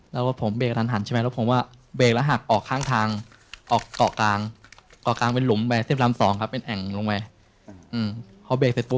ลดประไทยหรือรถเกรงครับ